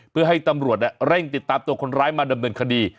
เพื่อให้ตำรวจเร่งติดตามตัวคนร้ายมาดำเนินคดี